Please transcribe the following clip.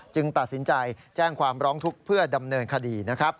ตัดสินใจแจ้งความร้องทุกข์เพื่อดำเนินคดีนะครับ